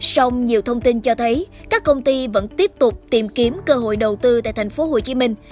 sông nhiều thông tin cho thấy các công ty vẫn tiếp tục tìm kiếm cơ hội đầu tư tại thành phố hồ chí minh